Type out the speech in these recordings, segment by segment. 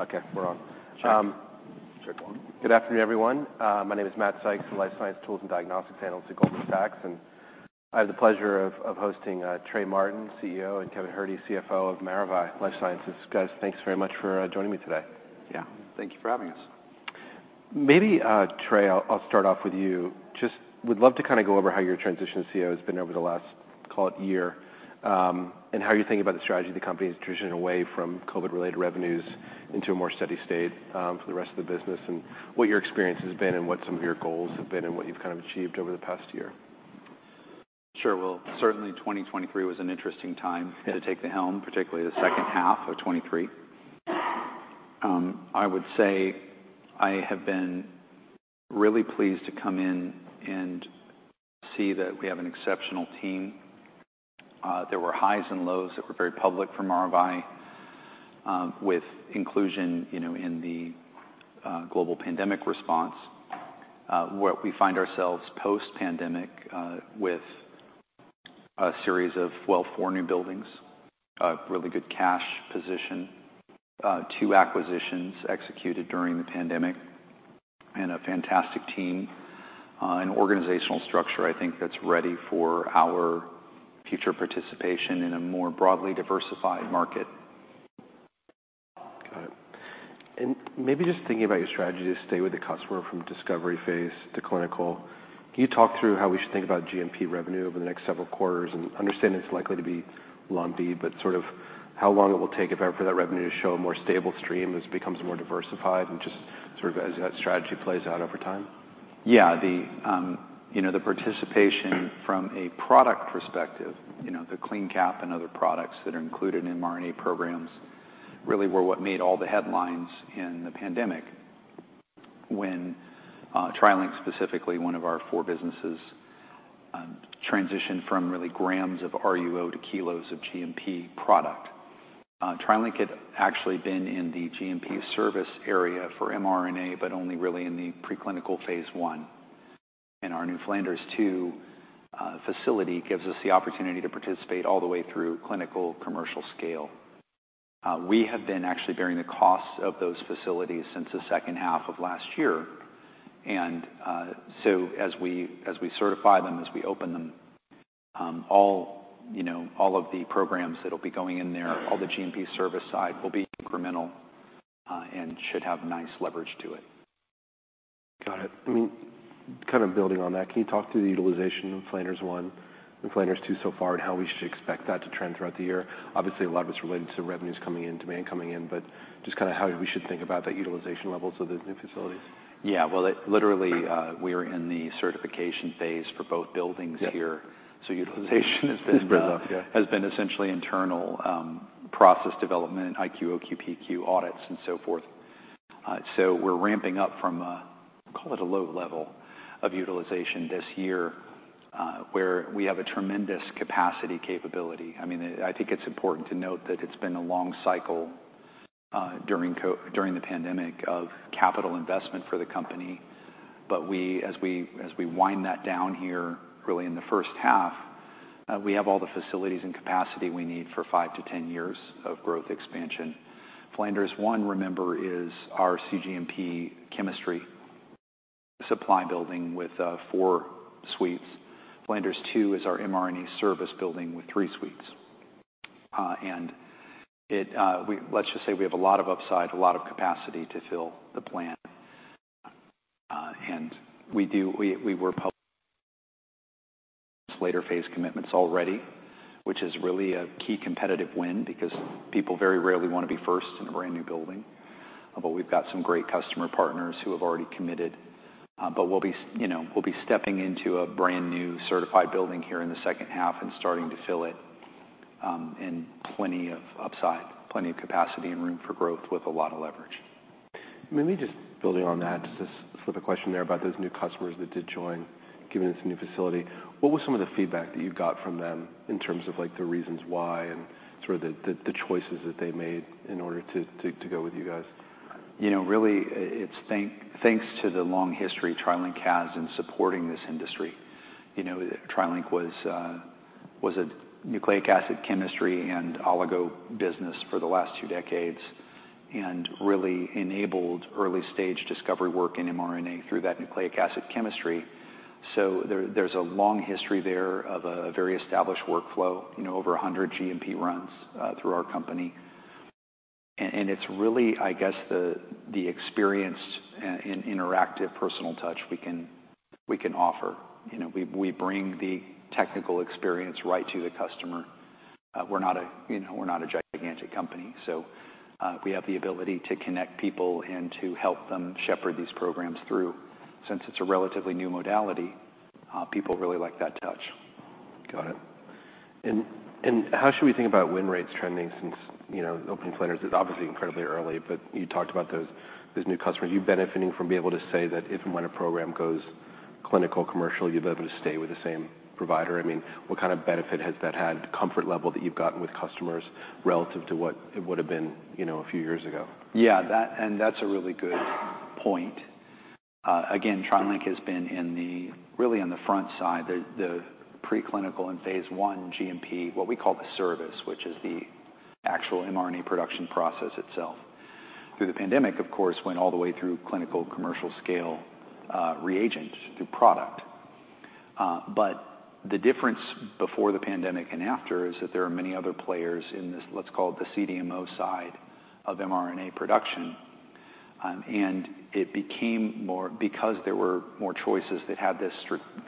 Okay, we're on. Sure. Sure, go on. Good afternoon, everyone. My name is Matt Sykes, Life Sciences Tools and Diagnostics Analyst at Goldman Sachs, and I have the pleasure of hosting Trey Martin, CEO, and Kevin Herde, CFO of Maravai LifeSciences. Guys, thanks very much for joining me today. Yeah. Thank you for having us. Maybe, Trey, I'll start off with you. Just would love to kinda go over how your transition to CEO has been over the last, call it, year, and how you're thinking about the strategy the company has driven away from COVID-related revenues into a more steady state, for the rest of the business, and what your experience has been, and what some of your goals have been, and what you've kind of achieved over the past year. Sure. Well, certainly, 2023 was an interesting time. Yeah. To take the helm, particularly the second half of 2023. I would say I have been really pleased to come in and see that we have an exceptional team. There were highs and lows that were very public for Maravai, with inclusion, you know, in the global pandemic response. What we find ourselves post-pandemic, with a series of, well, four new buildings, a really good cash position, two acquisitions executed during the pandemic, and a fantastic team, an organizational structure, I think, that's ready for our future participation in a more broadly diversified market. Got it. Maybe just thinking about your strategy to stay with the customer from discovery phase to clinical, can you talk through how we should think about GMP revenue over the next several quarters and understand it's likely to be lumpy, but sort of how long it will take, if ever, for that revenue to show a more stable stream as it becomes more diversified and just sort of as that strategy plays out over time? Yeah. The, you know, the participation from a product perspective, you know, the CleanCap and other products that are included in R&D programs really were what made all the headlines in the pandemic when TriLink, specifically one of our four businesses, transitioned from really grams of RUO to kilos of GMP product. TriLink had actually been in the GMP service area for mRNA, but only really in the preclinical phase I. And our new Flanders 2 facility gives us the opportunity to participate all the way through clinical commercial scale. We have been actually bearing the costs of those facilities since the second half of last year. And so as we certify them, as we open them, all, you know, all of the programs that'll be going in there, all the GMP service side will be incremental, and should have nice leverage to it. Got it. I mean, kind of building on that, can you talk through the utilization of Flanders 1, and Flanders 2 so far, and how we should expect that to trend throughout the year? Obviously, a lot of it's related to revenues coming in, demand coming in, but just kinda how we should think about that utilization levels of those new facilities. Yeah. Well, it literally, we are in the certification phase for both buildings here. Yeah. Utilization has been. Has been up, yeah. has been essentially internal, process development, IQ, OQ, PQ audits, and so forth. So we're ramping up from a, call it, a low level of utilization this year, where we have a tremendous capacity capability. I mean, I think it's important to note that it's been a long cycle, during COVID during the pandemic, of capital investment for the company. But as we wind that down here, really in the first half, we have all the facilities and capacity we need for 5-10 years of growth expansion. Flanders I, remember, is our cGMP chemistry supply building with four suites. Flanders II is our mRNA service building with three suites. And let's just say we have a lot of upside, a lot of capacity to fill the plan. We were public later phase commitments already, which is really a key competitive win because people very rarely wanna be first in a brand new building. But we've got some great customer partners who have already committed. But we'll be, you know, we'll be stepping into a brand new certified building here in the second half and starting to fill it, in plenty of upside, plenty of capacity and room for growth with a lot of leverage. Maybe just building on that, just this flip-of-question there about those new customers that did join, giving us a new facility. What was some of the feedback that you got from them in terms of, like, the reasons why and, sort of, the choices that they made in order to go with you guys? You know, really, it's thanks to the long history TriLink has in supporting this industry. You know, TriLink was a nucleic acid chemistry and oligo business for the last two decades and really enabled early stage discovery work in mRNA through that nucleic acid chemistry. So there, there's a long history there of a very established workflow, you know, over 100 GMP runs, through our company. And it's really, I guess, the experienced, and interactive personal touch we can offer. You know, we bring the technical experience right to the customer. We're not a, you know, we're not a gigantic company. So, we have the ability to connect people and to help them shepherd these programs through. Since it's a relatively new modality, people really like that touch. Got it. And how should we think about win rates trending since, you know, opening Flanders? It's obviously incredibly early, but you talked about those new customers. You're benefiting from being able to say that if and when a program goes clinical commercial, you'll be able to stay with the same provider. I mean, what kind of benefit has that had, comfort level that you've gotten with customers relative to what it would've been, you know, a few years ago? Yeah. That and that's a really good point. Again, TriLink has been in the really on the front side, the preclinical and phase I GMP, what we call the service, which is the actual mRNA production process itself. Through the pandemic, of course, went all the way through clinical commercial scale, reagent through product. But the difference before the pandemic and after is that there are many other players in this, let's call it the CDMO side of mRNA production. And it became more because there were more choices that had this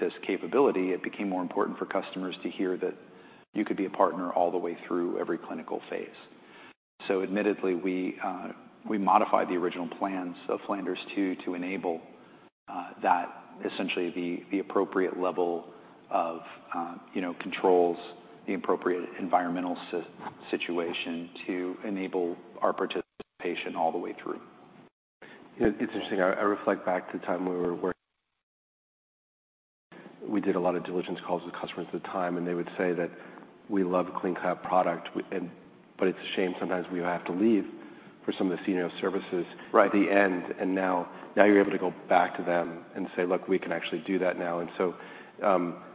this capability, it became more important for customers to hear that you could be a partner all the way through every clinical phase. Admittedly, we modified the original plans of Flanders II to enable that essentially the appropriate level of, you know, controls, the appropriate environmental situation to enable our participation all the way through. It's interesting. I reflect back to the time we were working. We did a lot of diligence calls with customers at the time, and they would say that we love CleanCap product, and but it's a shame sometimes we have to leave for some of the senior services. Right. At the end. And now, now you're able to go back to them and say, "Look, we can actually do that now." And so,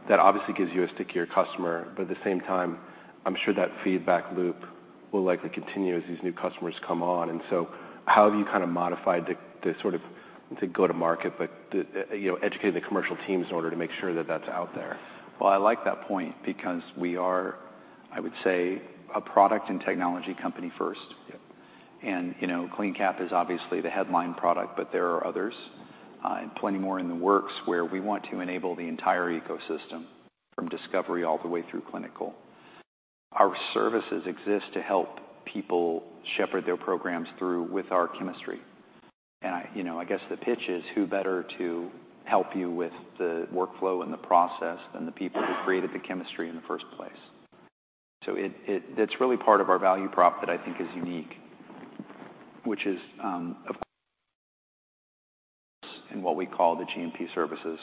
that obviously gives you a stickier customer, but at the same time, I'm sure that feedback loop will likely continue as these new customers come on. And so how have you kinda modified the sort of, I'd say, go-to-market, but the, you know, educating the commercial teams in order to make sure that that's out there? Well, I like that point because we are, I would say, a product and technology company first. Yep. You know, CleanCap is obviously the headline product, but there are others, and plenty more in the works where we want to enable the entire ecosystem from discovery all the way through clinical. Our services exist to help people shepherd their programs through with our chemistry. I, you know, I guess the pitch is who better to help you with the workflow and the process than the people who created the chemistry in the first place. So it, that's really part of our value prop that I think is unique, which is, of course, in what we call the GMP services,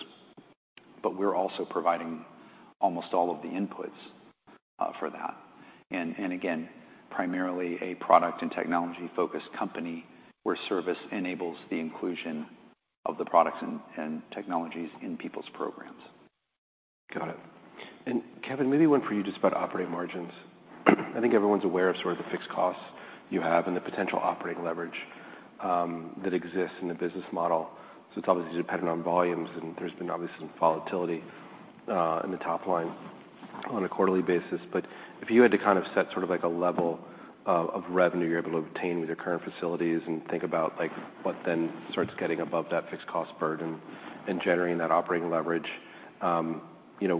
but we're also providing almost all of the inputs for that. And again, primarily a product and technology-focused company where service enables the inclusion of the products and technologies in people's programs. Got it. And Kevin, maybe one for you just about operating margins. I think everyone's aware of sort of the fixed costs you have and the potential operating leverage, that exists in the business model. So it's obviously dependent on volumes, and there's been obviously some volatility, in the top line on a quarterly basis. But if you had to kind of set sort of like a level, of revenue you're able to obtain with your current facilities and think about, like, what then starts getting above that fixed cost burden and generating that operating leverage, you know,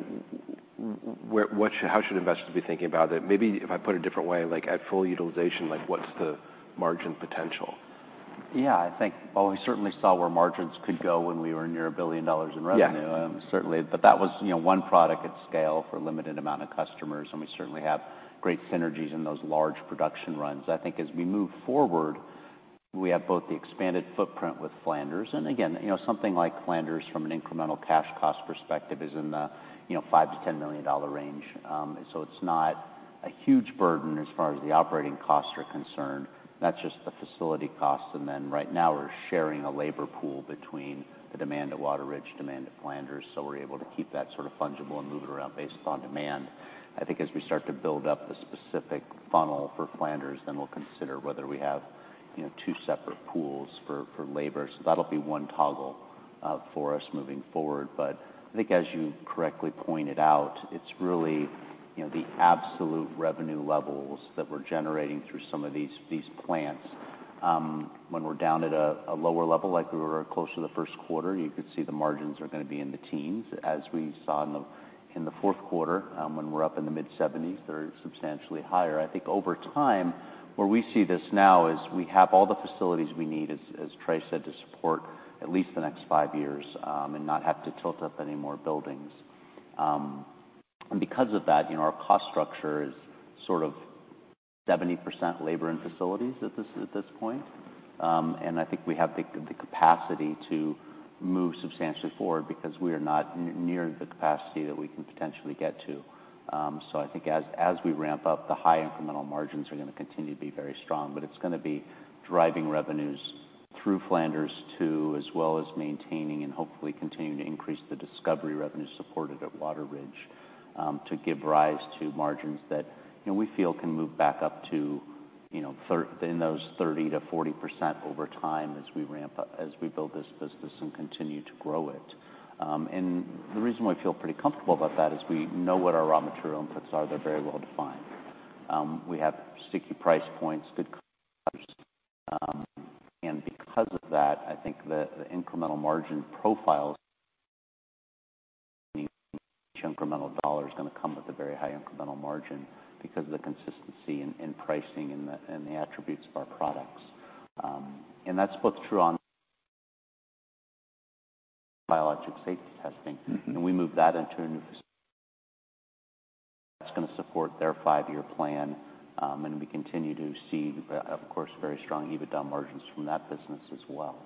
where what should how should investors be thinking about it? Maybe if I put it a different way, like, at full utilization, like, what's the margin potential? Yeah. I think, well, we certainly saw where margins could go when we were near $1 billion in revenue. Yeah. Certainly. But that was, you know, one product at scale for a limited amount of customers, and we certainly have great synergies in those large production runs. I think as we move forward, we have both the expanded footprint with Flanders, and again, you know, something like Flanders from an incremental cash cost perspective is in the, you know, $5 million-$10 million range. So it's not a huge burden as far as the operating costs are concerned. That's just the facility costs. And then right now we're sharing a labor pool between the demand at Wateridge, demand at Flanders, so we're able to keep that sort of fungible and move it around based upon demand. I think as we start to build up the specific funnel for Flanders, then we'll consider whether we have, you know, two separate pools for labor. So that'll be one toggle for us moving forward. But I think as you correctly pointed out, it's really, you know, the absolute revenue levels that we're generating through some of these plants. When we're down at a lower level, like we were close to the Q1, you could see the margins are gonna be in the teens as we saw in the Q4, when we're up in the mid-70s. They're substantially higher. I think over time, where we see this now is we have all the facilities we need, as Trey said, to support at least the next 5 years, and not have to tilt up any more buildings. And because of that, you know, our cost structure is sort of 70% labor and facilities at this point. I think we have the capacity to move substantially forward because we are not near the capacity that we can potentially get to. So I think as we ramp up, the high incremental margins are gonna continue to be very strong, but it's gonna be driving revenues through Flanders II as well as maintaining and hopefully continuing to increase the discovery revenue supported at Wateridge, to give rise to margins that, you know, we feel can move back up to, you know,30% in those 30%-40% over time as we ramp up, as we build this business and continue to grow it. And the reason why I feel pretty comfortable about that is we know what our raw material inputs are. They're very well defined. We have sticky price points, good customers. Because of that, I think the incremental margin profiles, each incremental dollar is gonna come with a very high incremental margin because of the consistency in pricing and the attributes of our products. That's both true on Biologic Safety Testing. Mm-hmm. We moved that into a new facility. That's gonna support their five-year plan. And we continue to see, of course, very strong EBITDA margins from that business as well.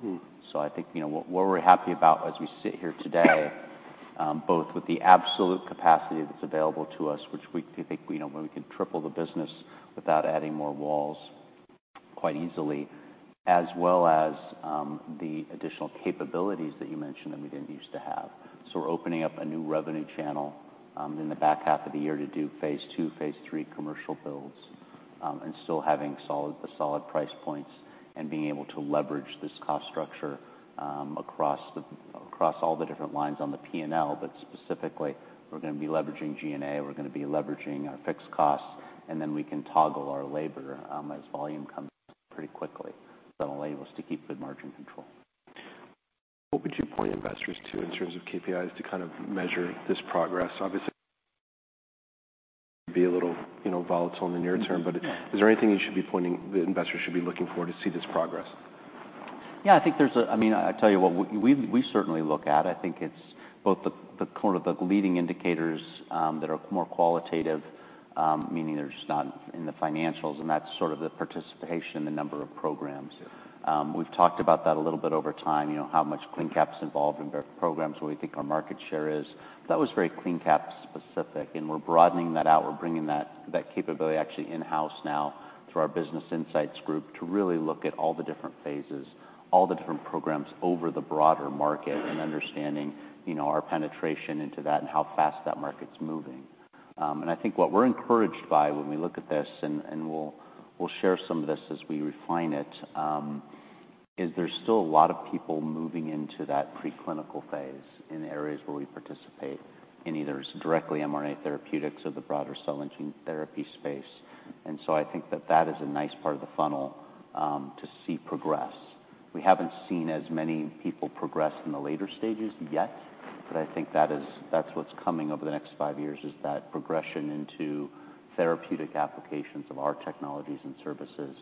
So I think, you know, what we're happy about as we sit here today, both with the absolute capacity that's available to us, which we think, you know, where we can triple the business without adding more walls quite easily, as well as, the additional capabilities that you mentioned that we didn't used to have. So we're opening up a new revenue channel, in the back half of the year to do phase II, phase III commercial builds, and still having solid price points and being able to leverage this cost structure, across the - across all the different lines on the P&L. But specifically, we're gonna be leveraging G&A. We're gonna be leveraging our fixed costs, and then we can toggle our labor, as volume comes in pretty quickly. So I'm able to keep good margin control. What would you point investors to in terms of KPIs to kind of measure this progress? Obviously, it'd be a little, you know, volatile in the near term, but is there anything you should be pointing that investors should be looking for to see this progress? Yeah. I think there's a. I mean, I tell you what, we certainly look at it. I think it's both the sort of leading indicators that are more qualitative, meaning there's not in the financials, and that's sort of the participation in the number of programs. Yep. We've talked about that a little bit over time, you know, how much CleanCap's involved in various programs where we think our market share is. That was very CleanCap-specific, and we're broadening that out. We're bringing that capability actually in-house now through our business insights group to really look at all the different phases, all the different programs over the broader market and understanding, you know, our penetration into that and how fast that market's moving. I think what we're encouraged by when we look at this, and we'll share some of this as we refine it, is there's still a lot of programs moving into that preclinical phase in areas where we participate in either directly mRNA therapeutics or the broader cell and gene therapy space. So I think that is a nice part of the funnel, to see progress. We haven't seen as many people progress in the later stages yet, but I think that's what's coming over the next five years is that progression into therapeutic applications of our technologies and services,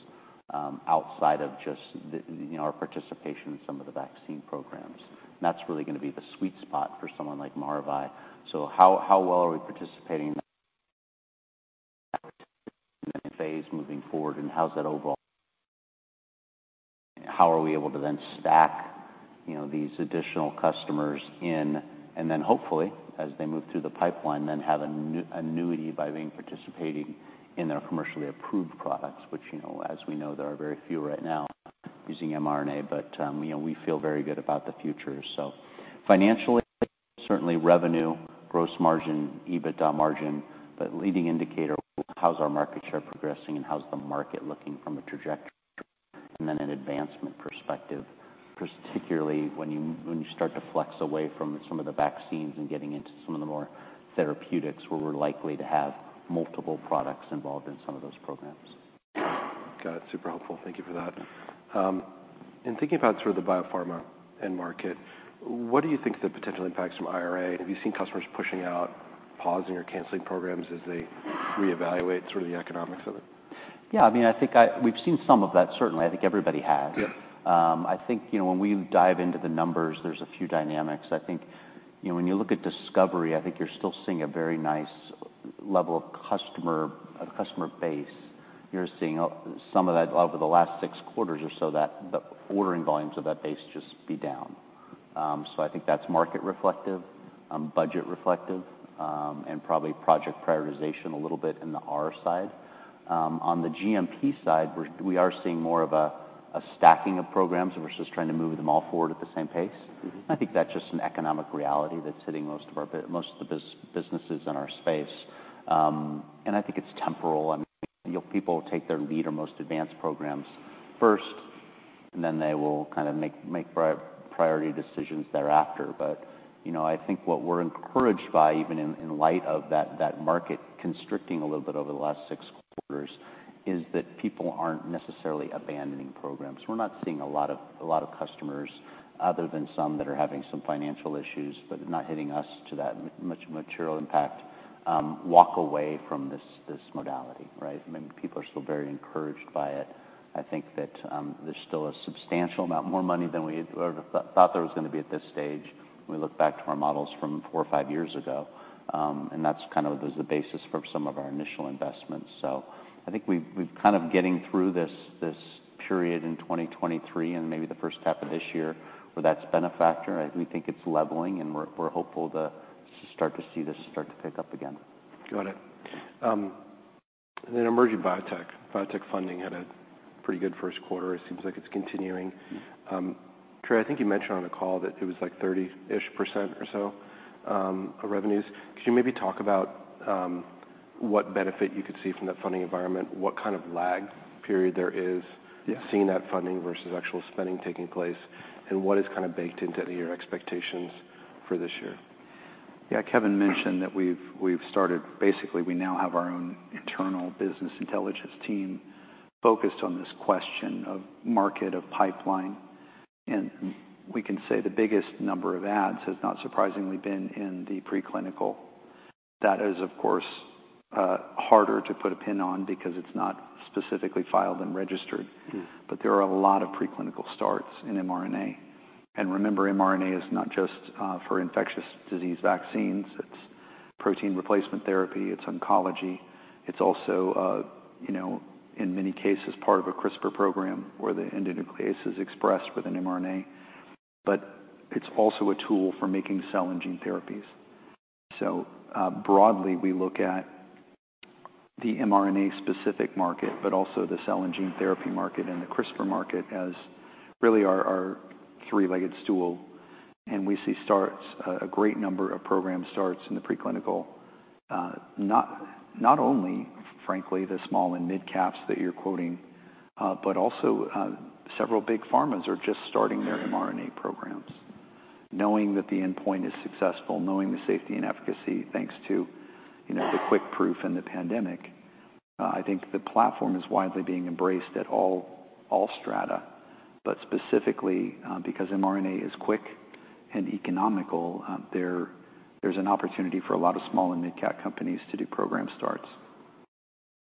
outside of just the, you know, our participation in some of the vaccine programs. And that's really gonna be the sweet spot for someone like Maravai. So how well are we participating in that phase moving forward, and how's that overall? How are we able to then stack, you know, these additional customers in, and then hopefully, as they move through the pipeline, then have a new annuity by being participating in their commercially approved products, which, you know, as we know, there are very few right now using mRNA. But, you know, we feel very good about the future. Financially, certainly revenue, gross margin, EBITDA margin, but leading indicator, how's our market share progressing, and how's the market looking from a trajectory and then an advancement perspective, particularly when you start to flex away from some of the vaccines and getting into some of the more therapeutics where we're likely to have multiple products involved in some of those programs. Got it. Super helpful. Thank you for that. Thinking about sort of the biopharma and market, what do you think the potential impacts from IRA? Have you seen customers pushing out, pausing, or canceling programs as they reevaluate sort of the economics of it? Yeah. I mean, I think we've seen some of that, certainly. I think everybody has. Yep. I think, you know, when we dive into the numbers, there's a few dynamics. I think, you know, when you look at discovery, I think you're still seeing a very nice level of customer base. You're seeing some of that over the last six quarters or so, that the ordering volumes of that base just be down. So I think that's market reflective, budget reflective, and probably project prioritization a little bit in the R side. On the GMP side, we are seeing more of a stacking of programs versus trying to move them all forward at the same pace. Mm-hmm. I think that's just an economic reality that's hitting most of our businesses in our space. And I think it's temporal. I mean, people will take their lead or most advanced programs first, and then they will kind of make priority decisions thereafter. But, you know, I think what we're encouraged by, even in light of that market constricting a little bit over the last six quarters, is that people aren't necessarily abandoning programs. We're not seeing a lot of customers, other than some that are having some financial issues, but not hitting us to that much material impact, walk away from this modality, right? I mean, people are still very encouraged by it. I think that there's still a substantial amount more money than we thought there was gonna be at this stage when we look back to our models from four or five years ago. And that's kind of was the basis for some of our initial investments. So I think we've kind of getting through this period in 2023 and maybe the first half of this year where that's been a factor. We think it's leveling, and we're hopeful to start to see this start to pick up again. Got it. And then emerging biotech. Biotech funding had a pretty good Q1. It seems like it's continuing. Trey, I think you mentioned on the call that it was like 30-ish% or so of revenues. Could you maybe talk about what benefit you could see from that funding environment? What kind of lag period there is. Yes. Seeing that funding versus actual spending taking place, and what is kind of baked into your expectations for this year? Yeah. Kevin mentioned that we've started basically, we now have our own internal business intelligence team focused on this question of market, of pipeline. And we can say the biggest number of ads has not surprisingly been in the preclinical. That is, of course, harder to put a pin on because it's not specifically filed and registered. But there are a lot of preclinical starts in mRNA. And remember, mRNA is not just, for infectious disease vaccines. It's protein replacement therapy. It's oncology. It's also, you know, in many cases, part of a CRISPR program where the endonuclease is expressed with an mRNA. But it's also a tool for making cell and gene therapies. So, broadly, we look at the mRNA-specific market, but also the cell and gene therapy market and the CRISPR market as really our three-legged stool. And we see a great number of program starts in the preclinical - not only, frankly, the small and mid-caps that you're quoting, but also several big pharmas are just starting their mRNA programs. Knowing that the endpoint is successful, knowing the safety and efficacy, thanks to, you know, the quick proof and the pandemic, I think the platform is widely being embraced at all strata. But specifically, because mRNA is quick and economical, there's an opportunity for a lot of small and mid-cap companies to do program starts.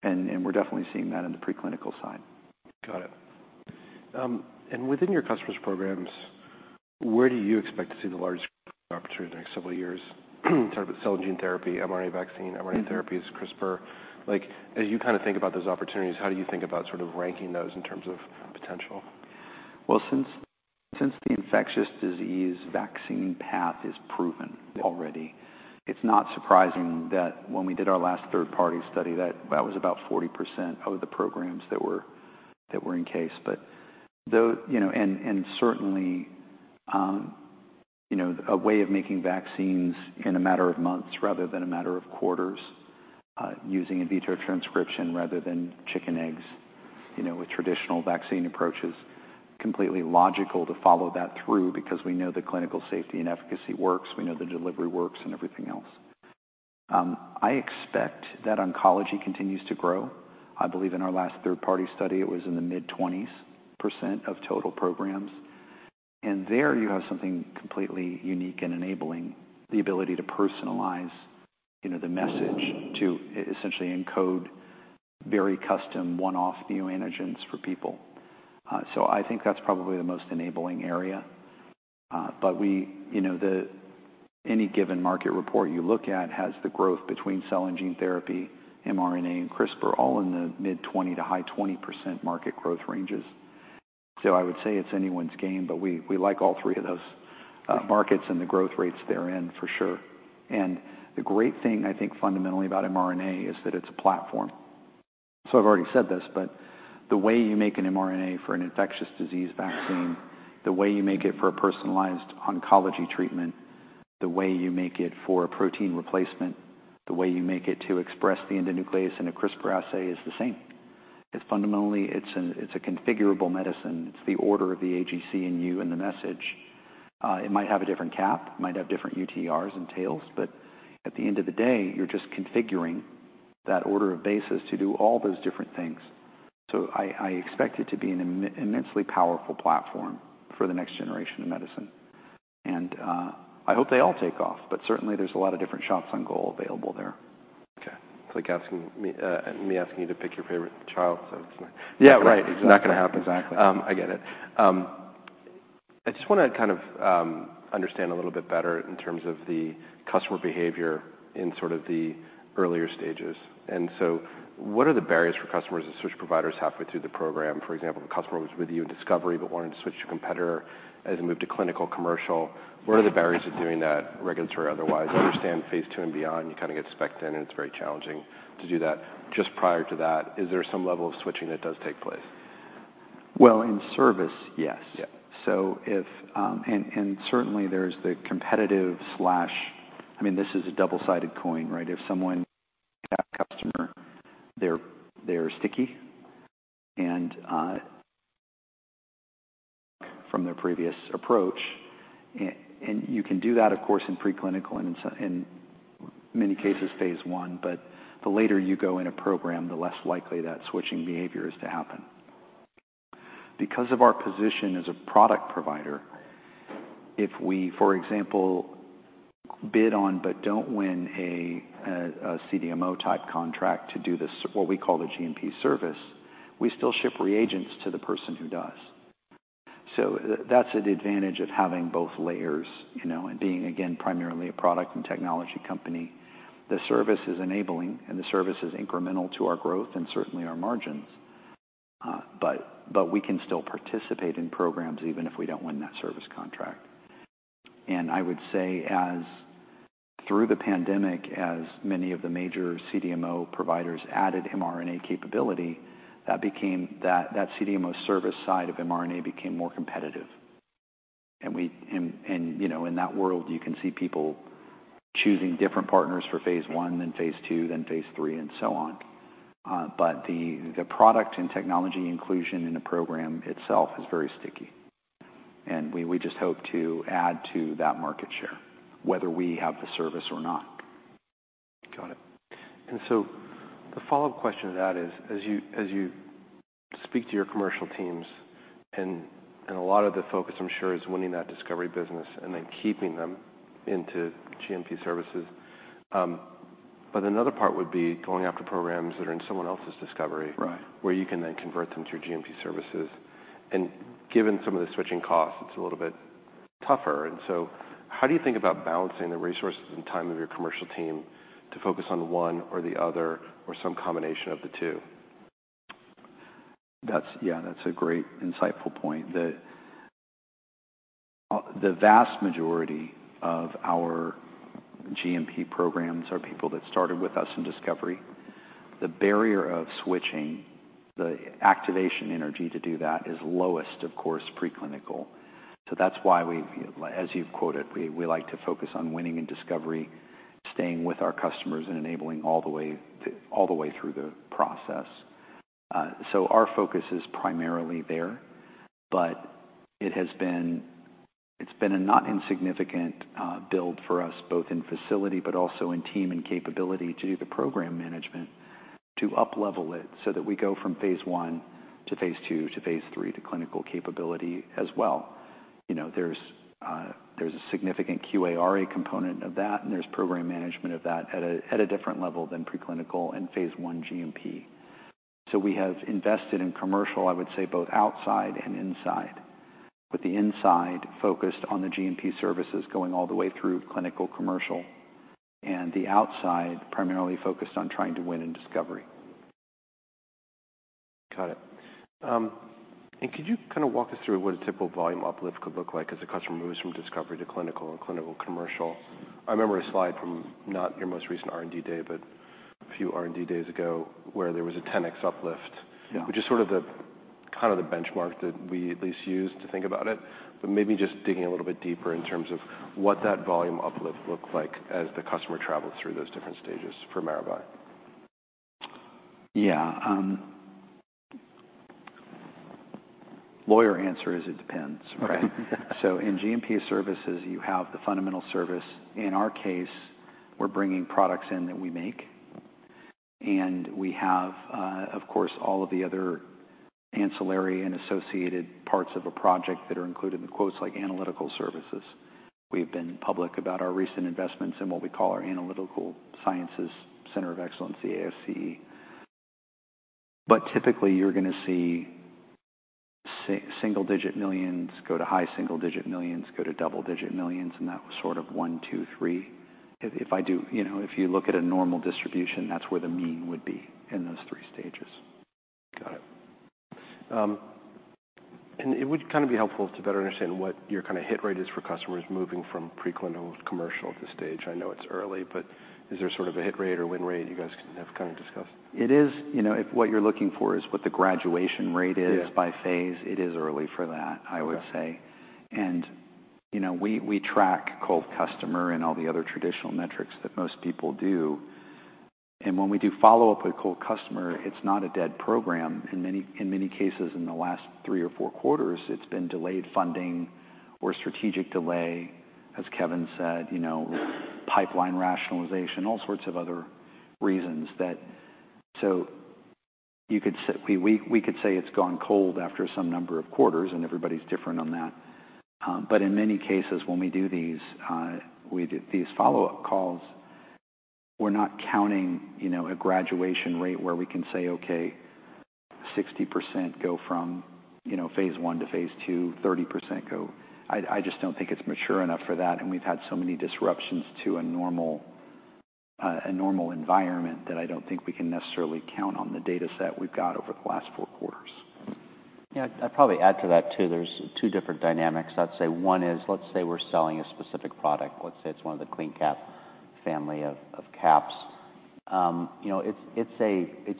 And we're definitely seeing that in the preclinical side. Got it. Within your customers' programs, where do you expect to see the largest opportunity in the next several years in terms of cell and gene therapy, mRNA vaccine, mRNA therapies, CRISPR? Like, as you kind of think about those opportunities, how do you think about sort of ranking those in terms of potential? Well, since the infectious disease vaccine path is proven already, it's not surprising that when we did our last third-party study, that was about 40% of the programs that were in case. But, you know, certainly, you know, a way of making vaccines in a matter of months rather than a matter of quarters, using in vitro transcription rather than chicken eggs, you know, with traditional vaccine approaches, completely logical to follow that through because we know the clinical safety and efficacy works. We know the delivery works and everything else. I expect that oncology continues to grow. I believe in our last third-party study, it was in the mid-20s% of total programs. And there you have something completely unique and enabling, the ability to personalize, you know, the message to essentially encode very custom one-off newantigens for people. So I think that's probably the most enabling area. But we, you know, than any given market report you look at has the growth between cell and gene therapy, mRNA, and CRISPR all in the mid-20% to high 20% market growth ranges. So I would say it's anyone's game, but we like all three of those markets and the growth rates therein for sure. And the great thing, I think, fundamentally about mRNA is that it's a platform. So I've already said this, but the way you make an mRNA for an infectious disease vaccine, the way you make it for a personalized oncology treatment, the way you make it for a protein replacement, the way you make it to express the endonuclease in a CRISPR assay is the same. It's fundamentally a configurable medicine. It's the order of the A, G, C, and U and the messenger. It might have a different cap. It might have different UTRs and tails, but at the end of the day, you're just configuring that order of bases to do all those different things. So I expect it to be an immensely powerful platform for the next generation of medicine. And, I hope they all take off, but certainly there's a lot of different shots on goal available there. Okay. It's like me asking you to pick your favorite child, so it's not. Yeah. Right. Exactly. Not gonna happen. Exactly. I get it. I just wanna kind of understand a little bit better in terms of the customer behavior in sort of the earlier stages. So what are the barriers for customers and search providers halfway through the program? For example, the customer was with you in discovery but wanted to switch to competitor as a move to clinical commercial. What are the barriers to doing that regulatory otherwise? I understand phase II and beyond, you kind of get specked in, and it's very challenging to do that. Just prior to that, is there some level of switching that does take place? Well, in service, yes. Yeah. Certainly there's the competitive – I mean, this is a double-sided coin, right? If someone's a customer, they're sticky and from their previous approach, and you can do that, of course, in preclinical and, so in many cases, phase I, but the later you go in a program, the less likely that switching behavior is to happen. Because of our position as a product provider, if we, for example, bid on but don't win a CDMO-type contract to do the what we call the GMP service, we still ship reagents to the person who does. So that's an advantage of having both layers, you know, and being, again, primarily a product and technology company. The service is enabling, and the service is incremental to our growth and certainly our margins. But we can still participate in programs even if we don't win that service contract. And I would say as, through the pandemic, as many of the major CDMO providers added mRNA capability, that CDMO service side of mRNA became more competitive. And we, you know, in that world, you can see people choosing different partners for phase I, then phase II, then phase III, and so on. But the product and technology inclusion in a program itself is very sticky. And we just hope to add to that market share, whether we have the service or not. Got it. And so the follow-up question to that is, as you speak to your commercial teams, and a lot of the focus, I'm sure, is winning that discovery business and then keeping them into GMP services. But another part would be going after programs that are in someone else's discovery. Right. Where you can then convert them to your GMP services. Given some of the switching costs, it's a little bit tougher. So how do you think about balancing the resources and time of your commercial team to focus on one or the other or some combination of the two? That's, yeah, that's a great insightful point. The vast majority of our GMP programs are people that started with us in discovery. The barrier of switching, the activation energy to do that is lowest, of course, preclinical. So that's why we, as you've quoted, we like to focus on winning in discovery, staying with our customers, and enabling all the way to all the way through the process. So our focus is primarily there, but it has been a not insignificant build for us, both in facility but also in team and capability to do the program management to uplevel it so that we go from phase I to phase II to phase III to clinical capability as well. You know, there's a significant QARA component of that, and there's program management of that at a different level than preclinical and phase I GMP. So we have invested in commercial, I would say, both outside and inside, with the inside focused on the GMP services going all the way through clinical commercial, and the outside primarily focused on trying to win in discovery. Got it. And could you kind of walk us through what a typical volume uplift could look like as a customer moves from discovery to clinical and clinical commercial? I remember a slide from not your most recent R&D day, but a few R&D days ago where there was a 10x uplift. Yeah. Which is sort of the kind of benchmark that we at least use to think about it. But maybe just digging a little bit deeper in terms of what that volume uplift looked like as the customer traveled through those different stages for Maravai. Yeah. Lawyer answer is it depends, right? So in GMP services, you have the fundamental service. In our case, we're bringing products in that we make. And we have, of course, all of the other ancillary and associated parts of a project that are included in the quotes like analytical services. We've been public about our recent investments in what we call our Analytical Sciences Center of Excellence, the ASCE. But typically, you're gonna see $1-$9 million go to high single-digit millions, go to $10-$99 million, and that sort of one, two, three. If, you know, if you look at a normal distribution, that's where the mean would be in those three stages. Got it. It would kind of be helpful to better understand what your kind of hit rate is for customers moving from preclinical to commercial at this stage. I know it's early, but is there sort of a hit rate or win rate you guys have kind of discussed? It is. You know, if what you're looking for is what the graduation rate is. Yeah. By phase, it is early for that, I would say. Okay. You know, we track cold customer and all the other traditional metrics that most people do. When we do follow-up with cold customer, it's not a dead program. In many cases, in the last three or Q4s, it's been delayed funding or strategic delay, as Kevin said, you know, pipeline rationalization, all sorts of other reasons that so you could say we could say it's gone cold after some number of quarters, and everybody's different on that. But in many cases, when we do these follow-up calls, we're not counting, you know, a graduation rate where we can say, "Okay, 60% go from, you know, phase I to phase II, 30% go." I just don't think it's mature enough for that. We've had so many disruptions to a normal, a normal environment that I don't think we can necessarily count on the data set we've got over the last Q4s. Yeah. I'd probably add to that too. There's two different dynamics. I'd say one is, let's say we're selling a specific product. Let's say it's one of the clean cap family of caps, you know, it's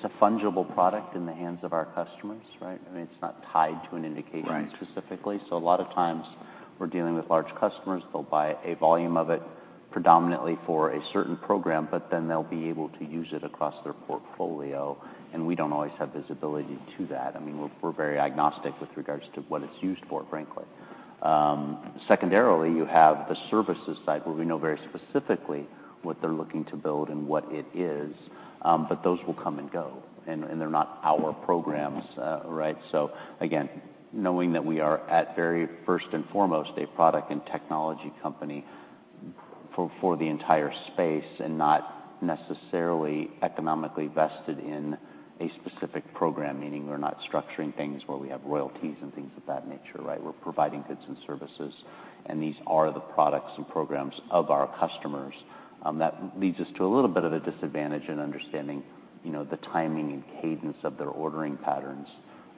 a fungible product in the hands of our customers, right? I mean, it's not tied to an indication. Right. Specifically. So a lot of times, we're dealing with large customers. They'll buy a volume of it predominantly for a certain program, but then they'll be able to use it across their portfolio. And we don't always have visibility to that. I mean, we're very agnostic with regards to what it's used for, frankly. Secondarily, you have the services side where we know very specifically what they're looking to build and what it is. But those will come and go, and they're not our programs, right? So again, knowing that we are at very first and foremost a product and technology company for the entire space and not necessarily economically vested in a specific program, meaning we're not structuring things where we have royalties and things of that nature, right? We're providing goods and services, and these are the products and programs of our customers. That leads us to a little bit of a disadvantage in understanding, you know, the timing and cadence of their ordering patterns.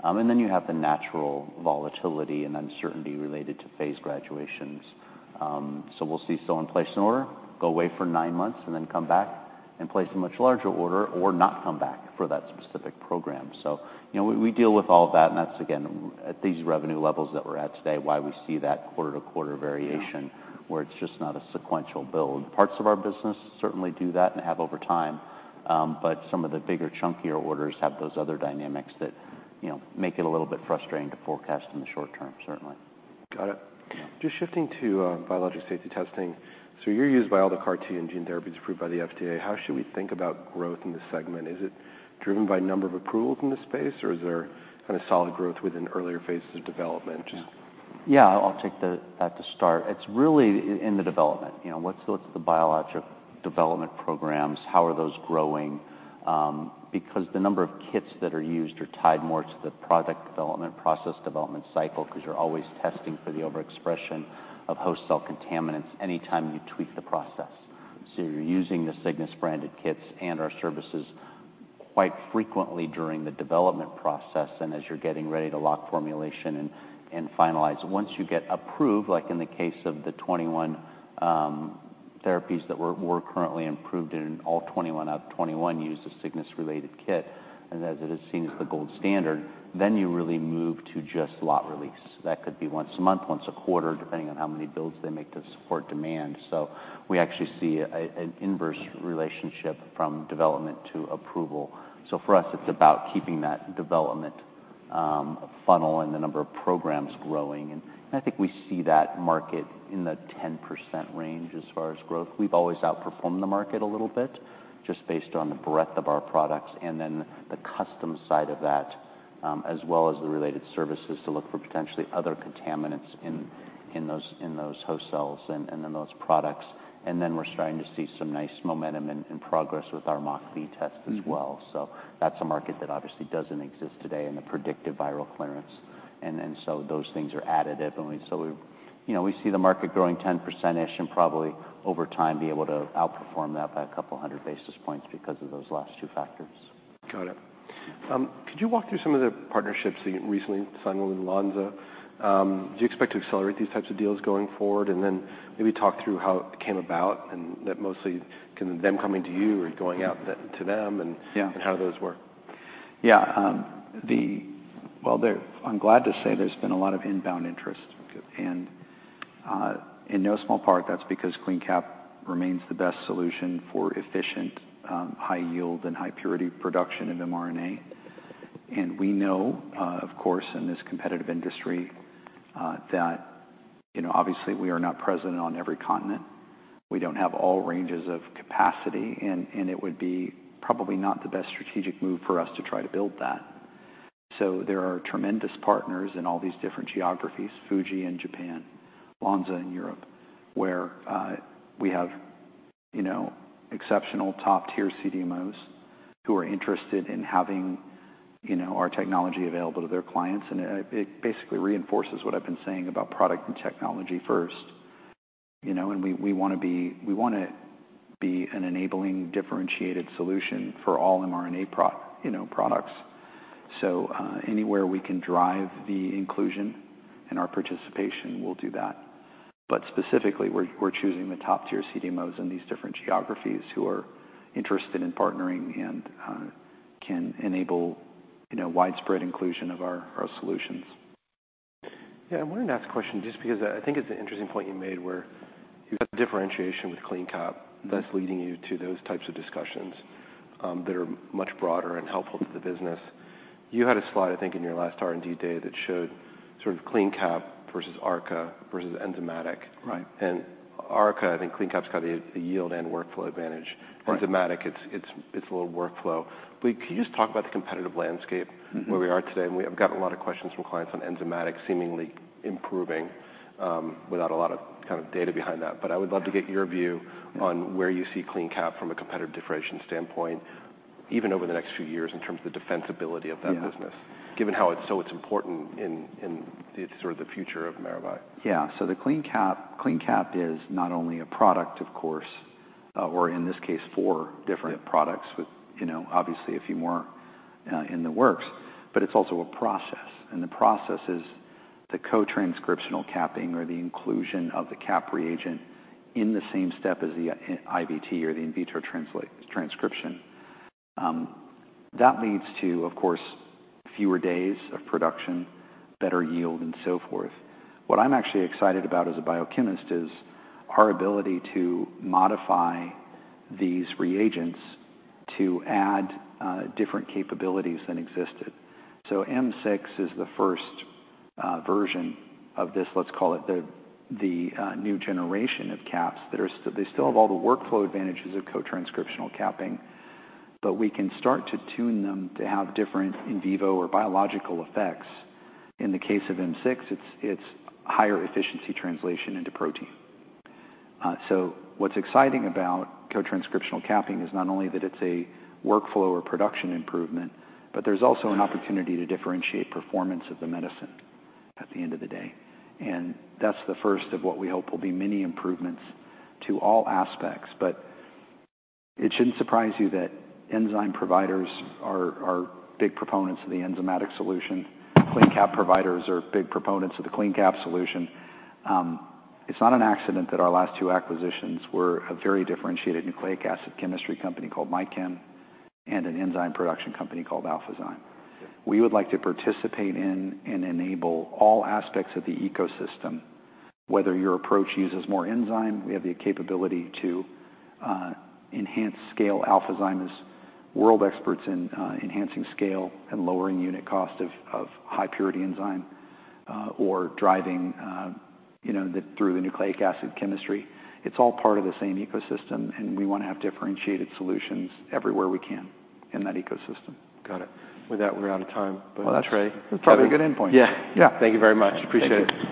And then you have the natural volatility and uncertainty related to phase graduations. So we'll see someone place an order, go away for nine months, and then come back and place a much larger order or not come back for that specific program. So, you know, we, we deal with all of that, and that's, again, at these revenue levels that we're at today, why we see that quarter-to-quarter variation where it's just not a sequential build. Parts of our business certainly do that and have over time, but some of the bigger, chunkier orders have those other dynamics that, you know, make it a little bit frustrating to forecast in the short term, certainly. Got it. Yeah. Just shifting to Biologics Safety Testing. So you're used by all the CAR-T and gene therapies approved by the FDA. How should we think about growth in this segment? Is it driven by number of approvals in this space, or is there kind of solid growth within earlier phases of development? Just. Yeah. I'll take that to start. It's really in the development. You know, what's the biologic development programs? How are those growing? Because the number of kits that are used are tied more to the product development process development cycle 'cause you're always testing for the overexpression of host cell contaminants anytime you tweak the process. So you're using the Cygnus-branded kits and our services quite frequently during the development process and as you're getting ready to lock formulation and finalize. Once you get approved, like in the case of the 21 therapies that were currently approved, in all 21 out of 21 use a Cygnus-related kit, and as it is seen as the gold standard, then you really move to just lot release. That could be once a month, once a quarter, depending on how many builds they make to support demand. So we actually see an inverse relationship from development to approval. So for us, it's about keeping that development funnel and the number of programs growing. And I think we see that market in the 10% range as far as growth. We've always outperformed the market a little bit just based on the breadth of our products and then the custom side of that, as well as the related services to look for potentially other contaminants in those host cells and then those products. And then we're starting to see some nice momentum in progress with our MockV test as well. So that's a market that obviously doesn't exist today in the predictive viral clearance. And so those things are additive. And so we've, you know, we see the market growing 10%-ish and probably over time be able to outperform that by 200 basis points because of those last two factors. Got it. Could you walk through some of the partnerships that you recently signed with Lonza? Do you expect to accelerate these types of deals going forward? And then maybe talk through how it came about and that mostly can them coming to you or going out to them and. Yeah. How do those work? Yeah. Well, there I'm glad to say there's been a lot of inbound interest. And, in no small part, that's because CleanCap remains the best solution for efficient, high-yield and high-purity production of mRNA. And we know, of course, in this competitive industry, that, you know, obviously, we are not present on every continent. We don't have all ranges of capacity, and it would be probably not the best strategic move for us to try to build that. So there are tremendous partners in all these different geographies, Fuji in Japan, Lonza in Europe, where we have, you know, exceptional top-tier CDMOs who are interested in having, you know, our technology available to their clients. And it basically reinforces what I've been saying about product and technology first. You know, and we wanna be an enabling, differentiated solution for all mRNA, you know, products. So, anywhere we can drive the inclusion and our participation, we'll do that. But specifically, we're choosing the top-tier CDMOs in these different geographies who are interested in partnering and can enable, you know, widespread inclusion of our solutions. Yeah. I wanted to ask a question just because I think it's an interesting point you made where you've got the differentiation with CleanCap. Mm-hmm. That's leading you to those types of discussions, that are much broader and helpful to the business. You had a slide, I think, in your last R&D day that showed sort of CleanCap versus ARCA versus enzymatic. Right. ARCA, I think CleanCap's got a yield and workflow advantage. Right. Enzymatic, it's a little workflow. But could you just talk about the competitive landscape? Mm-hmm. Where we are today? And we have gotten a lot of questions from clients on enzymatic seemingly improving, without a lot of kind of data behind that. But I would love to get your view. Mm-hmm. On where you see CleanCap from a competitive differentiation standpoint, even over the next few years in terms of the defensibility of that business. Yeah. Given how it's so important in the sort of future of Maravai. Yeah. So the CleanCap is not only a product, of course, or in this case, four different. Yeah. Products with, you know, obviously, a few more, in the works, but it's also a process. The process is the co-transcriptional capping or the inclusion of the cap reagent in the same step as the IVT or the in vitro transcription. That leads to, of course, fewer days of production, better yield, and so forth. What I'm actually excited about as a biochemist is our ability to modify these reagents to add different capabilities than existed. So M6 is the first version of this, let's call it the new generation of caps that still have all the workflow advantages of co-transcriptional capping, but we can start to tune them to have different in vivo or biological effects. In the case of M6, it's higher-efficiency translation into protein. So what's exciting about co-transcriptional capping is not only that it's a workflow or production improvement, but there's also an opportunity to differentiate performance of the medicine at the end of the day. And that's the first of what we hope will be many improvements to all aspects. But it shouldn't surprise you that enzyme providers are big proponents of the enzymatic solution. CleanCap providers are big proponents of the CleanCap solution. It's not an accident that our last two acquisitions were a very differentiated nucleic acid chemistry company called MyChem and an enzyme production company called Alphazyme. We would like to participate in and enable all aspects of the ecosystem, whether your approach uses more enzyme. We have the capability to enhance scale. Alphazyme is world experts in enhancing scale and lowering unit cost of high-purity enzyme, or driving, you know, through the nucleic acid chemistry. It's all part of the same ecosystem, and we wanna have differentiated solutions everywhere we can in that ecosystem. Got it. With that, we're out of time, but. Well, that's great. That's probably a good endpoint. Yeah. Yeah. Thank you very much. Appreciate it.